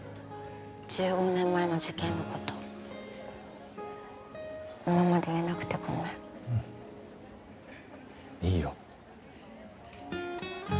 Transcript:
１５年前の事件のこと今まで言えなくてごめんうんいいよ